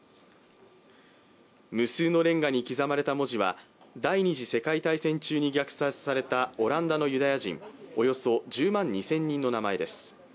無数のれんがに刻まれた文字は、第二次世界大戦中に虐殺されたオランダのユダヤ人、およそ１０万２０００人の名前です。